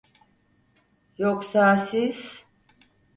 Yoksa siz…